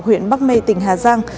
huyện bắc mê tỉnh hà giang